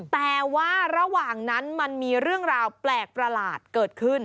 แต่ว่าระหว่างนั้นมันมีเรื่องราวแปลกประหลาดเกิดขึ้น